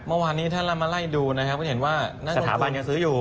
เมื่อวานนี้ถ้าเรามาไล่ดูนะครับก็เห็นว่าหน้าสถาบันยังซื้ออยู่